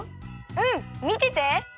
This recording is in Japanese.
うんみてて。